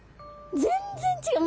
全然違う。